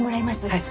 はい。